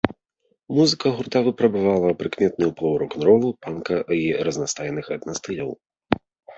Музыка гурта выпрабавала прыкметны ўплыў рок-н-ролу, панка і разнастайных этна-стыляў.